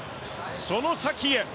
その先へ。